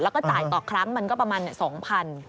แล้วก็จ่ายต่อครั้งมันก็ประมาณ๒๐๐บาท